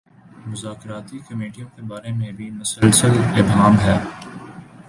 مذاکرتی کمیٹیوں کے بارے میں بھی مسلسل ابہام ہے۔